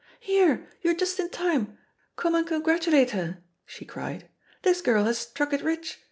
"Here, you're just in time; come and congratu late her!" she cried. "This girl has struck it rich.